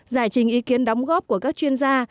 giải trình ý kiến đóng góp của các chuyên gia